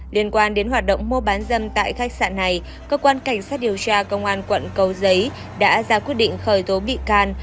liên quan đến hoạt động mua bán dâm tại khách sạn này cơ quan cảnh sát điều tra công an quận cầu giấy đã ra quyết định khởi tố bị can